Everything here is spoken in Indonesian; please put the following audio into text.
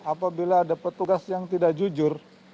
apabila ada petugas yang tidak jujur